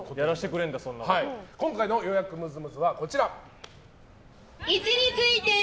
今回の予約ムズムズはこちら。